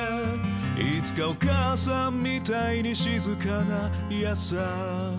「いつかお母さんみたいに静かな優しさで」